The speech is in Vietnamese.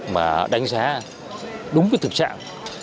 mà đánh giá đúng cái thực trạng